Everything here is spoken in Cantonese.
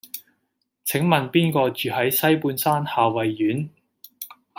請問邊個住喺西半山夏蕙苑